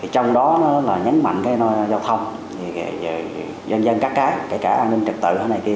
trong đó nhấn mạnh giao thông dân dân các cái an ninh trực tự